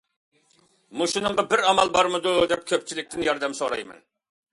مۇشۇنىڭغا بىر ئامال بارمىدۇ دەپ كۆپچىلىكتىن ياردەم سورايمەن.